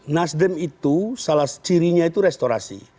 nasdem itu salah cirinya itu restorasi